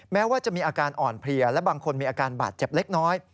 แม้ว่าจะมีอาการอ่อนเพลียและบางคนมีอาการบาดเจ็บเล็กน้อย